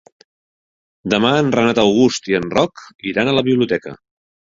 Demà en Renat August i en Roc iran a la biblioteca.